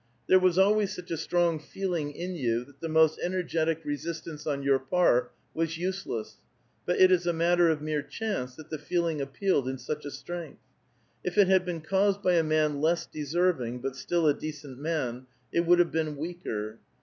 There was always such a strong feeling in you that the most energetic resist ance on your part was useless, but it is a matter of mere chance that the feeling appealed in such a strength. If it had been caused by a man less deserving, but still a decent man, it would have been weaker.